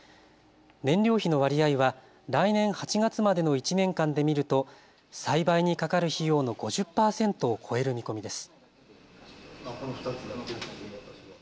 燃料費の割合は来年８月までの１年間で見ると栽培にかかる費用の５０％を超える見込みです。